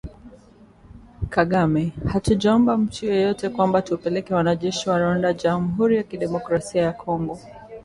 Kagame: Hatujaomba mtu yeyote kwamba tupeleke wanajeshi wa Rwanda Jamuhuri ya Kidemokrasia ya Kongo